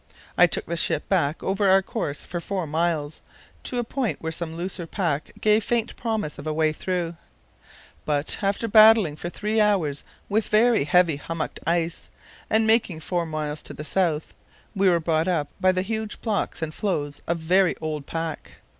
I took the ship back over our course for four miles, to a point where some looser pack gave faint promise of a way through; but, after battling for three hours with very heavy hummocked ice and making four miles to the south, we were brought up by huge blocks and floes of very old pack.